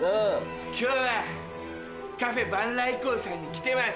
今日はカフェ萬來行さんに来てます。